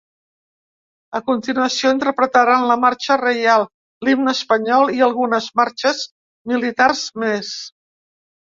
A continuació, interpretaran la ‘Marxa reial’, l’himne espanyol, i algunes marxes militars més.